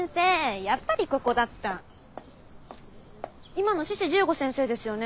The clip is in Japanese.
今の志士十五先生ですよね。